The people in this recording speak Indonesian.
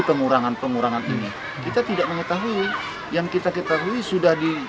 pengurangan pengurangan ini kita tidak mengetahui yang kita ketahui sudah di